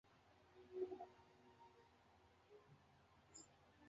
纹胸短沟红萤为红萤科短沟红萤属下的一个种。